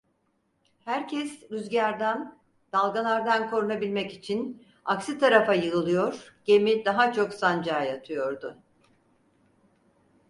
Herkes, rüzgardan, dalgalardan korunabilmek için aksi tarafa yığılıyor, gemi daha çok sancağa yatıyordu.